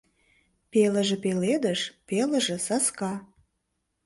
Пелыже пеледыш, пелыже саска.